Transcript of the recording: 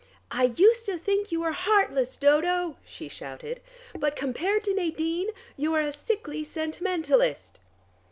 "I used to think you were heartless, Dodo," she shouted; "but compared to Nadine you are a sickly sentimentalist."